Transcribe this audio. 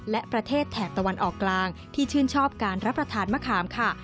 และประเทศแถบตะวันออกกลางที่ชื่นชอบการรับประทานมะขามค่ะ